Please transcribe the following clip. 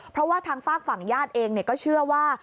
เพราะว่าทางฝากฝั่งญาติเองก็เชื่อว่า